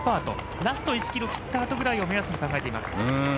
ラスト１ｋｍ切った辺りを目安に考えています。